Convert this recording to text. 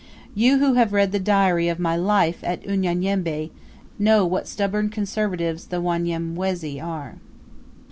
You who have read the diary of my 'Life in Unyanyembe' know what stubborn Conservatives the Wanyamwezi are.